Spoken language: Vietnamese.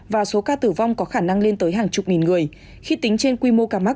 và số ca tử vong có khả năng lên tới hàng chục nghìn người khi tính trên quy mô ca mắc